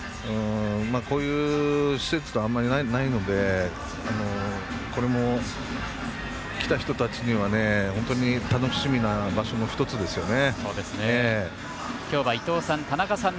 こういう施設ってあんまりないのでこれも来た人たちには本当に楽しみな場所の一つですよね。